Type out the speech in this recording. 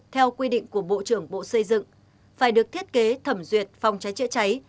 theo quy định của bộ trưởng bộ xây dựng phải được thiết kế thẩm duyệt phòng cháy chữa cháy